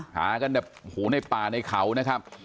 หากันแบบโอ้โหในป่าในเขานะครับ